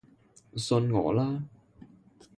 信我啦